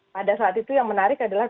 pada saat itu yang menarik adalah